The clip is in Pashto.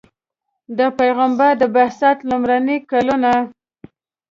د پیغمبر د بعثت لومړي کلونه.